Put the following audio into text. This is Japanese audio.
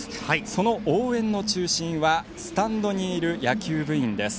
その応援の中心はスタンドにいる野球部員です。